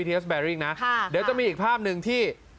อันนี้ใต้นะค่ะเดี๋ยวจะมีอีกภาพหนึ่งที่